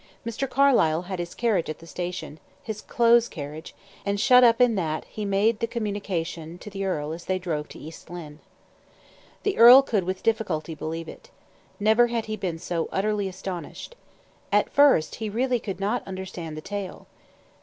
Mr. Carlyle had his carriage at the station his close carriage and shut up in that he made the communication to the earl as they drove to East Lynne. The earl could with difficulty believe it. Never had he been so utterly astonished. At first he really could not understand the tale.